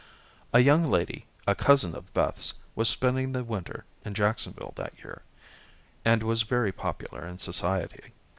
A young lady, a cousin of Beth's, was spending the winter in Jacksonville that year, and was very popular in society.